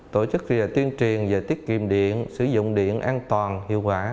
tổ chức tuyên truyền về tiết kiệm điện sử dụng điện an toàn hiệu quả